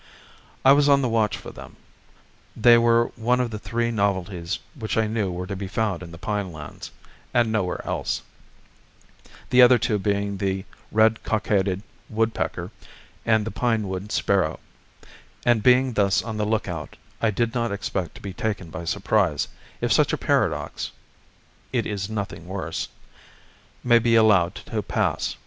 I was on the watch for them: they were one of the three novelties which I knew were to be found in the pine lands, and nowhere else, the other two being the red cockaded woodpecker and the pine wood sparrow; and being thus on the lookout, I did not expect to be taken by surprise, if such a paradox (it is nothing worse) maybe allowed to pass.